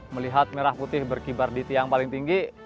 melihat merah putih berkibar di tiang paling tinggi